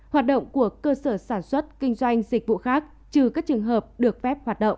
hoạt động của cơ sở sản xuất kinh doanh dịch vụ khác trừ các trường hợp được phép hoạt động